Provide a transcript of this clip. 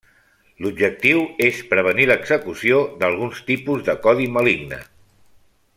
L'objectiu és prevenir l'execució d'alguns tipus de codi maligne.